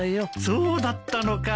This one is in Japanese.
そうだったのか。